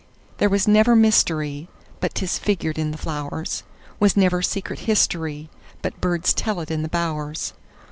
There was never mysteryBut 'tis figured in the flowers; SWas never secret historyBut birds tell it in the bowers.